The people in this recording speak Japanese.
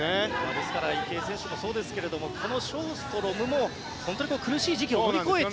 ですから池江選手もそうですがこのショーストロムも苦しい時期を乗り越えて。